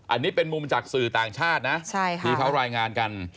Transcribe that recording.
อันนี้เป็นมุมจากสื่อต่างชาตินะที่เขารายงานกัน